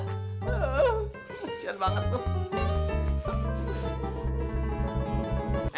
kasihan banget tuh